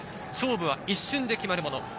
勝負は一瞬で決まるもの。